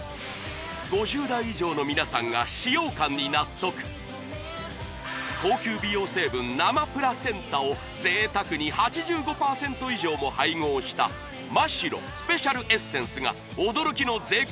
５０代以上の皆さんが使用感に納得高級美容成分生プラセンタを贅沢に８５％以上も配合した驚きの税込